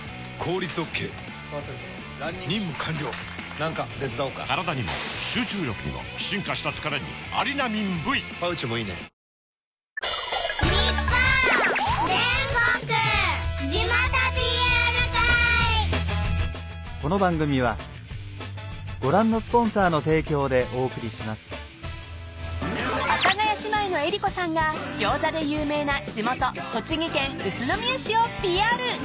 いつも、心の中で［阿佐ヶ谷姉妹の江里子さんがギョーザで有名な地元栃木県宇都宮市をＰＲ］